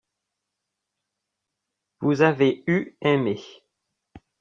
vous avez eu aimé.